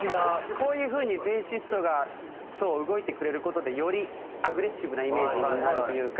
こういう風にベーシストが動いてくれる事でよりアグレッシブなイメージになるというか。